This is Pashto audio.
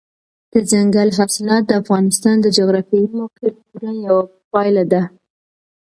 دځنګل حاصلات د افغانستان د جغرافیایي موقیعت پوره یوه پایله ده.